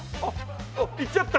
行っちゃった。